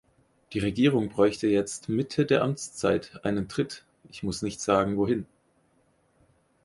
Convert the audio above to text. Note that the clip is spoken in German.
Die Regierung bräuchte jetzt, Mitte der Amtszeit, einen Tritt, ich muss nicht sagen, wohin.